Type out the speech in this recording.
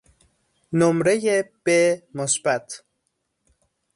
نمرهی ب مثبت